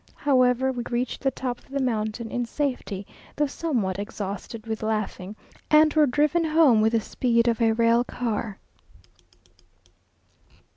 However, we reached the top of the mountain in safety, though somewhat exhausted with laughing, and were driven home with the speed of a rail car.